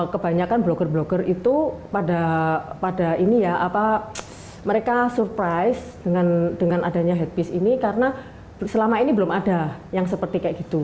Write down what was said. kebanyakan blogger blogger itu pada ini ya apa mereka surprise dengan adanya headpis ini karena selama ini belum ada yang seperti kayak gitu